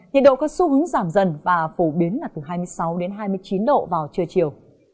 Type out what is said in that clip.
nhiệt độ có xu hướng giảm dần và phổ biến là từ hai mươi sáu hai mươi chín độ vào trưa chiều